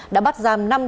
đã bắt giam năm đứa người